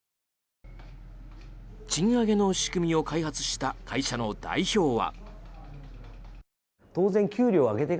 賃上げの仕組みを開発した会社の代表は。